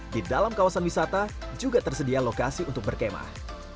di dalam kawasan wisata juga tersedia lokasi untuk berkemah